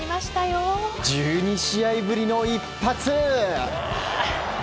１２試合ぶりの一発！